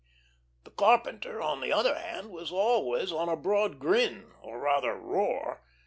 The carpenter, on the other hand, was always on a broad grin or rather roar.